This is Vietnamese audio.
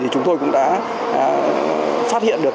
chúng tôi cũng đã phát hiện được